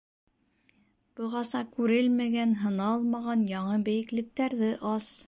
Бығаса күрелмәгән, һыналмаған яңы бейеклектәрҙе ас!